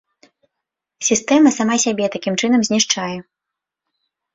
Сістэма сама сябе такім чынам знішчае.